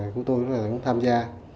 cũng tôi cũng tham gia